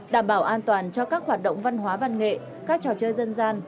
đảm bảo an toàn cho các hoạt động văn hóa văn nghệ các trò chơi dân gian